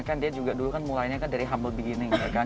karena kan dia juga dulu kan mulainya kan dari humble beginning ya kan